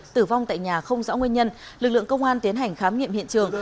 tử vong tại nhà không rõ nguyên nhân lực lượng công an tiến hành khám nghiệm hiện trường